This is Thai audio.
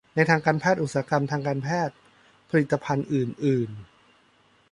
ในทางการแพทย์ อุตสาหกรรมทางการแพทย์ ผลิตภัณฑ์อื่นอื่น